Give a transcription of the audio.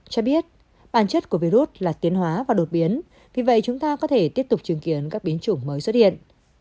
cho biết bản chất của virus là tiến hóa và đột biến vì vậy chúng ta có thể tiếp tục chứng kiến các biến chủng mới xuất hiện